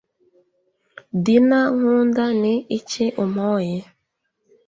dyna nkunda ni iki umpoye